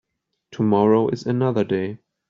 Tomorrow is another day.